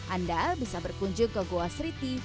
anda bisa berkunjung ke goa creati